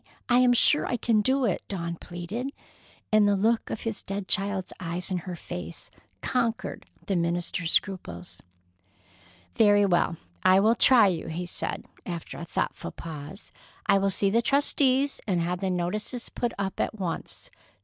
I am sure I can do it," Dawn pleaded, and the look of his dead child's eyes in her face conquered the minister's scruples. "Very well, I will try you," he said, after a thoughtful pause. "I will see the trustees and have the notices put up at once.